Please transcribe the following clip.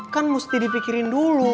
kan mesti dipikirin dulu